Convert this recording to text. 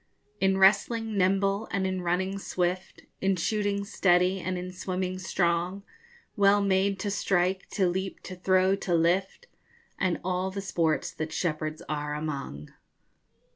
In wrestling nimble, and in running swift, In shooting steady, and in swimming strong, Well made to strike, to leap, to throw, to lift, _And all the sports that shepherds are among.